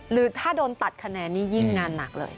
หรือถ้าโดนตัดคะแนนนี่ยิ่งงานหนักเลย